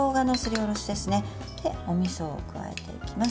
おみそを加えていきます。